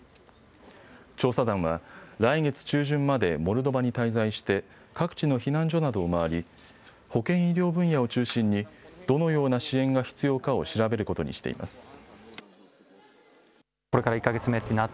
調査団は来月中旬までモルドバに滞在して各地の避難所などを回り保健医療分野を中心にどのような支援が必要かを調べることにしています。